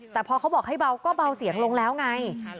แต่พอเขาบอกให้เบาก็เบาเสียงลงแล้วไง